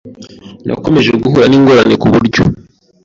Nakomeje guhura n’ingorane kuburyo